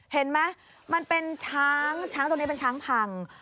เห็นไหมมันเป็นช้างช้างตรงนี้เป็นช้างพัง